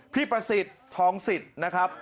ประสิทธิ์ทองสิทธิ์นะครับ